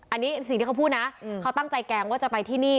อันนี้สิ่งที่เขาพูดนะเขาตั้งใจแกล้งว่าจะไปที่นี่